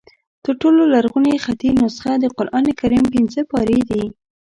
تر ټولو لرغونې خطي نسخه د قرآن کریم پنځه پارې دي.